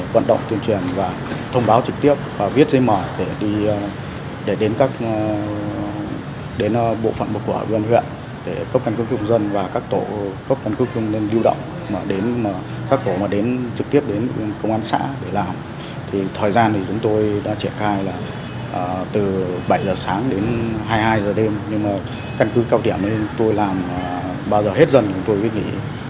phần đấu hoàn thành chỉ triển khai là từ bảy giờ sáng đến hai mươi hai giờ đêm nhưng mà căn cước cao điểm nên tôi làm bao giờ hết dần thì tôi quyết nghĩ